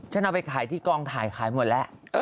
เอาไปขายที่กองถ่ายขายหมดแล้ว